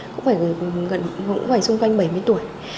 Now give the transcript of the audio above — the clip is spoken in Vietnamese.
cũng phải xung quanh bảy mươi tuổi